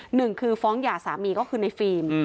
หนึ่งคือฟ้องหย่าสามีก็คือในฟิล์ม